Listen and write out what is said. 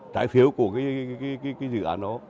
trái phiếu của cái dự án đó